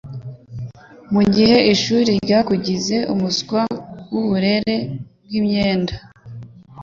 mugihe ishuri ryakugize umuswa wuburere bwimyenda